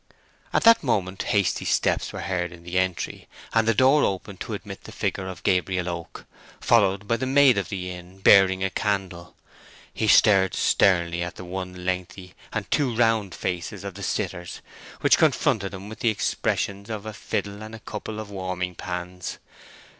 At that moment hasty steps were heard in the entry, and the door opened to admit the figure of Gabriel Oak, followed by the maid of the inn bearing a candle. He stared sternly at the one lengthy and two round faces of the sitters, which confronted him with the expressions of a fiddle and a couple of warming pans.